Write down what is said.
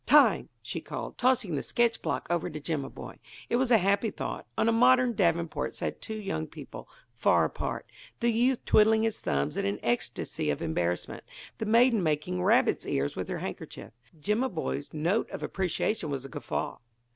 "Time!" she called, tossing the sketch block over to Jimaboy. It was a happy thought. On a modern davenport sat two young people, far apart; the youth twiddling his thumbs in an ecstasy of embarrassment; the maiden making rabbit's ears with her handkerchief. Jimaboy's note of appreciation was a guffaw.